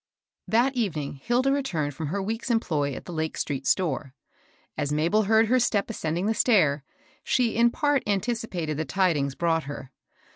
HAT evening Hilda returned fix»a her week's employ at the Lake street store. As Mabel heard her step ascending the V stair, she in part anticipated the tidings brought her.